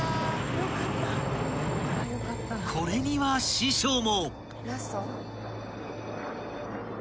［これには師匠も］